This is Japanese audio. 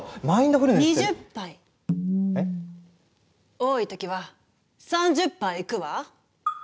多い時は３０杯いくわ。